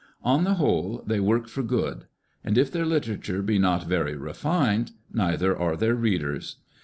On the whole, they work for good ; and if their literature be not very refined, neither are their readers.